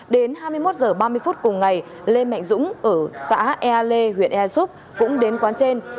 đến hai mươi một h ba mươi cùng ngày lê mạnh dũng ở xã ea lê huyện air soup cũng đến quán trên